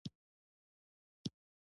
هګۍ د پاکو خواړو نښه ده.